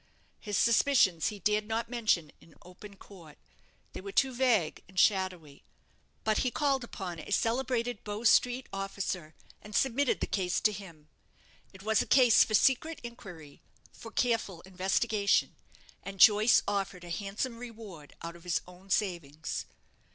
His suspicions he dared not mention in open court. They were too vague and shadowy. But he called upon a celebrated Bow Street officer, and submitted the case to him. It was a case for secret inquiry, for careful investigation; and Joyce offered a handsome reward out of his own savings.